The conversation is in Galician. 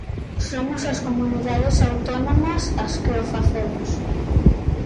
Somos as comunidades autónomas as que o facemos.